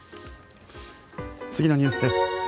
次のニュースです。